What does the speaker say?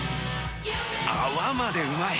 泡までうまい！